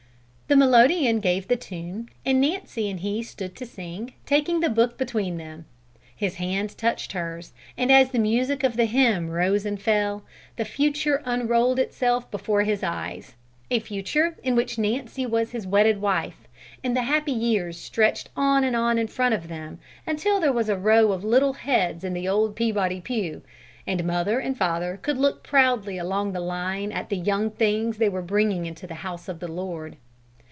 The melodeon gave the tune, and Nancy and he stood to sing, taking the book between them. His hand touched hers, and as the music of the hymn rose and fell, the future unrolled itself before his eyes; a future in which Nancy was his wedded wife; and the happy years stretched on and on in front of them until there was a row of little heads in the old Peabody pew, and mother and father could look proudly along the line at the young things they were bringing into the house of the Lord.